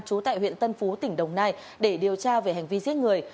trú tại huyện tân phú tỉnh đồng nai để điều tra về hành vi giết người